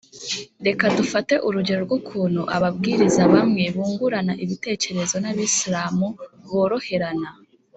Reka dufate urugero rw ukuntu ababwiriza bamwe bungurana ibitekerezo n Abisilamu boroherana